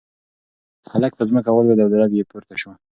هلک په ځمکه ولوېد او درب یې پورته شو.